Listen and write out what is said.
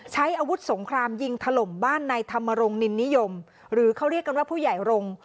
ใช้อาวุธสงครามยิงถล่มบ้านในธรรมรงคนินนิยมหรือเขาเรียกกันว่าผู้ใหญ่รงค์